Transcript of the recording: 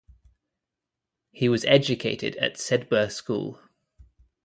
He was educated at Sedbergh School.